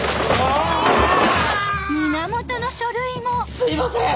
すいません！